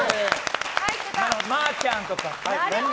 まーちゃんとか。